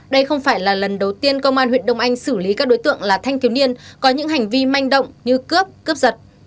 đây không phải là lần đầu tiên công an huyện đông anh xử lý các đối tượng là thanh thiếu niên có những hành vi manh động như cướp cướp giật